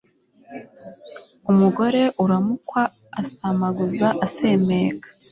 umugore uramukwa asamaguza asemeka